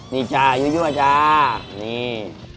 นี่จ้ายั่วจ้านี่